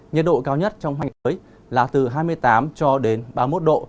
nhiệt độ cao nhất trong hai ngày tới là từ hai mươi tám ba mươi một độ